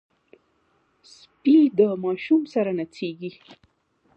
سپي د ماشوم سره نڅېږي.